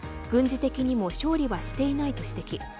軍事的にも勝利はしていないと指摘。